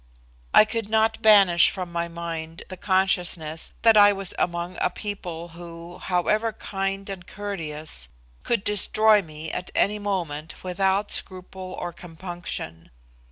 I could not banish from my mind the consciousness that I was among a people who, however kind and courteous, could destroy me at any moment without scruple or compunction.